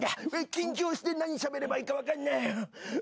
緊張して何しゃべればいいか分かんない。